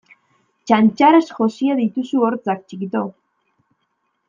Txantxarrez josia dituzu hortzak txikito!